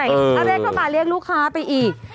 ได้เข้ามาเรียกลูกค้าไปอีก